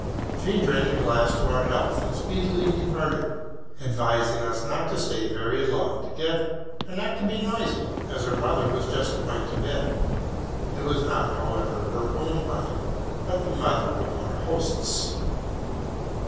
She drank a glass to our health, and speedily departed, advising us not to stay very long together, and not to be so noisy, as her mother was just going to bed. It was not, however, her own mother, but the mother of our hosts.